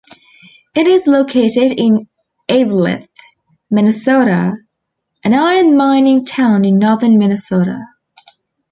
It is located in Eveleth, Minnesota, an iron mining town in northern Minnesota.